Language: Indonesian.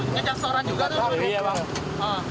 ngejak seorang juga tuh